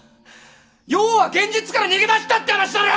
要は現実から逃げ出したって話だろ！